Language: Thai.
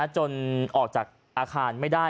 จนออกจากอาคารไม่ได้